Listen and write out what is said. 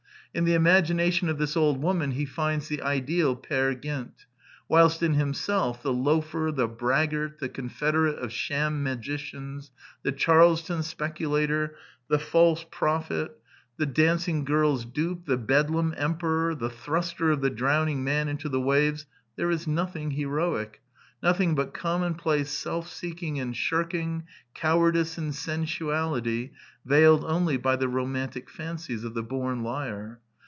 In the imagination of this old woman he finds the ideal Peer Gynt; whilst in himself, the loafer, the braggart, the confederate of sham magicians, the Charleston speculator, the false prophet, the dancing girPs dupe, the bedlam emperor, the thruster of the drowning man into the waves, there is nothing heroic: nothing but commonplace self seeking and shirking, cowardice and sensuality, veiled only by the romantic fancies of the born liar.